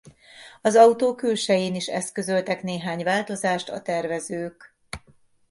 Az autó külsején is eszközöltek néhány változást a tervezők.